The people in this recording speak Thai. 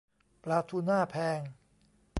ปลาทูน่าแพง